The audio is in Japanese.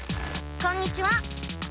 こんにちは。